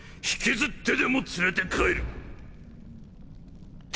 引きずってでも連れて帰る！